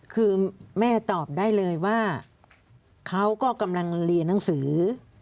คือแม่ตอบได้เลยว่าเขาก็กำลังเรียนหนังสือ